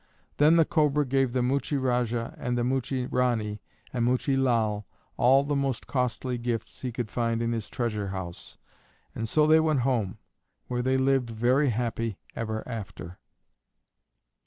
Then the Cobra gave the Muchie Rajah and the Muchie Ranee and Muchie Lal all the most costly gifts he could find in his treasure house; and so they went home, where they lived very happy ever after.